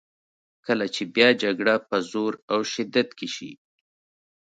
کله چې بیا جګړه په زور او شدت کې شي.